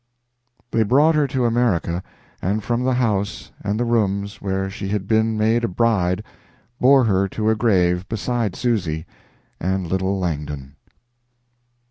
They brought her to America; and from the house, and the rooms, where she had been made a bride bore her to a grave beside Susy and little Langdon.